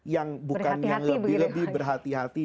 yang lebih berhati hati